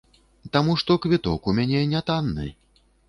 Таму што квіток у мяне не танны.